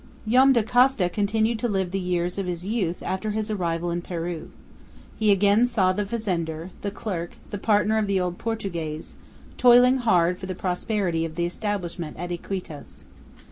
Joam Dacosta continued to live the years of his youth after his arrival in Peru. He again saw the fazender, the clerk, the partner of the old Portuguese, toiling hard for the prosperity of the establishment at Iquitos.